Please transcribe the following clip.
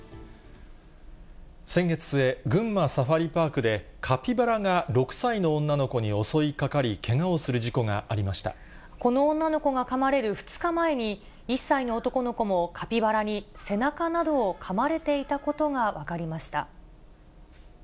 先月末、群馬サファリパークでカピバラが６歳の女の子に襲いかかり、この女の子がかまれる２日前に、１歳の男の子もカピバラに背中などをかまれていたことが分かりました。